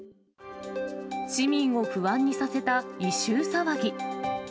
市民を不安にさせた異臭騒ぎ。